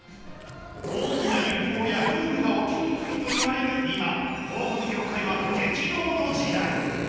大きな流行やブームが起きにくいといわれる今広告業界は激動の時代。